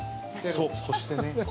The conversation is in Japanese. そう、干してね。